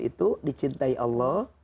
itu dicintai allah